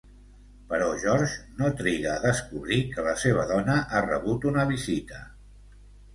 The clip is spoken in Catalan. Però George no triga a descobrir que la seva dona ha rebut una visita.